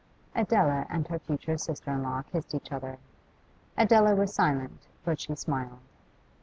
Adela and her future sister in law kissed each other. Adela was silent, but she smiled.